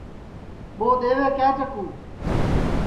ٻو دؔیوے کیا چکُو